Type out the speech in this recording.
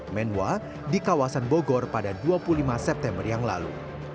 menwa di kawasan bogor pada dua puluh lima september yang lalu